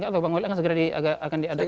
atau pak goyla akan segera diadakan